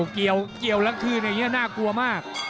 เกี่ยวแล้วคืนอย่างนี้น่ากลัวมาก